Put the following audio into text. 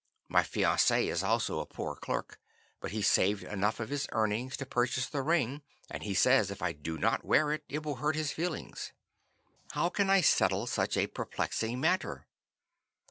My fiance is also a poor clerk, but he saved enough from his earnings to purchase the ring, and he says if I do not wear it, it will hurt his feelings. How can I settle such a perplexing matter?